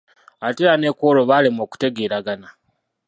Ate era ne ku olwo baalemwa okutegeeragana.